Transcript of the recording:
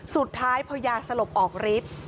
สุดท้ายพอยาสลบออกฤทธิ์